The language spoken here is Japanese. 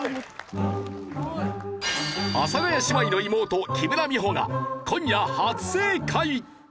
阿佐ヶ谷姉妹の妹木村美穂が今夜初正解！